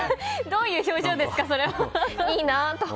どういう表情ですか？